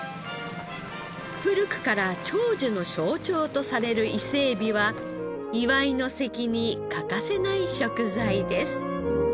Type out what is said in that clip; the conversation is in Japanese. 古くから長寿の象徴とされる伊勢エビは祝いの席に欠かせない食材です。